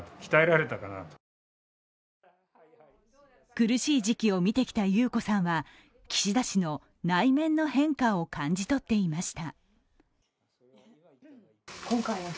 苦しい時期を見てきた裕子さんは、岸田氏の内面の変化を感じ取っていました。